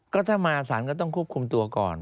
ก็ถ้ามาสารก็ต้องควบคุมตัวก่อน